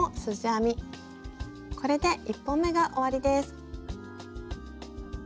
これで１本めが終わりです。